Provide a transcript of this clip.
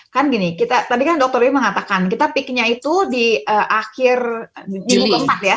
kan gini tadi kan dr dewi mengatakan kita peaknya itu di akhir juli keempat ya